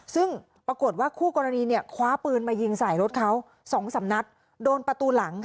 ซึ่งปรากฏว่าคู่กรณีคว้าปืนมายิงใส่รถเขา๒๓นัดโดนประตูหลัง